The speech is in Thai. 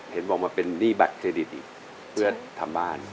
เห็นบอกมาเป็นนี่บัตรเทรดิตเพื่อทำบ้าน